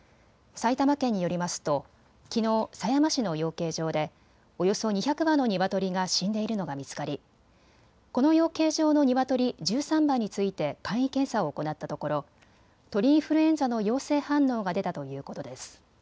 埼玉県によりますと、きのう狭山市の養鶏場でおよそ２００羽のニワトリが死んでいるのが見つかりこの養鶏場のニワトリ１３羽について簡易検査を行ったところ鳥インフルエンザの陽性反応が出たということです。